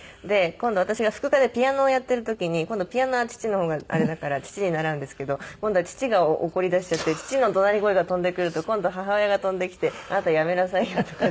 今度私が副科でピアノをやってる時に今度ピアノは父の方があれだから父に習うんですけど今度は父が怒りだしちゃって父の怒鳴り声が飛んでくると今度母親が飛んできて「あなたやめなさいよ」とか。